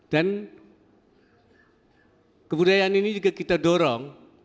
dan kebudayaan ini juga kita dorong